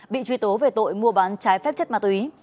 bị truy tố về tội mua bán trái phép chất ma túy